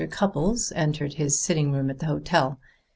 Cupples entered his sitting room at the hotel.